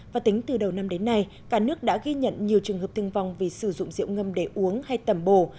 và tính từ đầu năm đến nay cả nước đã ghi nhận nhiều trường hợp thương vong vì sử dụng rượu ngâm để uống hay tẩm bồ